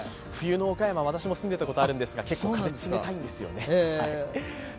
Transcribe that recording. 冬の岡山、私も住んでいたことがあるんですが、結構、風が冷たいんですよね。